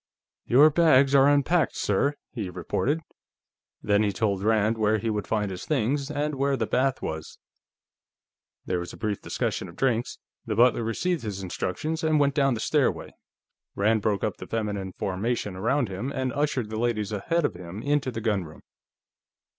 "Your bags are unpacked, sir," he reported. Then he told Rand where he would find his things, and where the bath was. There was a brief discussion of drinks. The butler received his instructions and went down the stairway; Rand broke up the feminine formation around him and ushered the ladies ahead of him into the gunroom.